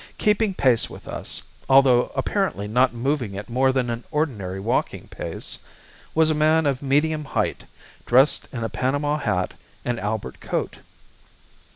Keeping pace with us, although apparently not moving at more than an ordinary walking pace, was a man of medium height, dressed in a panama hat and albert coat.